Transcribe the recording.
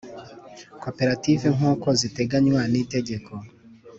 Koperative nk uko ziteganywa n itegeko n